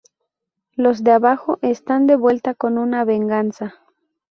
Los de abajo están de vuelta con una venganza!".